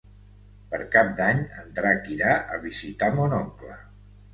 Per Cap d'Any en Drac irà a visitar mon oncle.